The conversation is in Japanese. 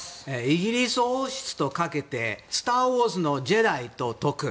イギリス王室とかけて「スターウォーズ」のジェダイと解く。